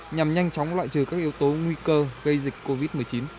nhằm nhanh chóng loại trừ các yếu tố nguy cơ gây dịch covid một mươi chín